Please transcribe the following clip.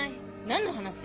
何の話？